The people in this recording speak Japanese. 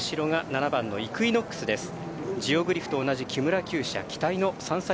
７番のイクイノックスです。